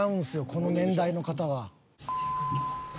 この年代の方は。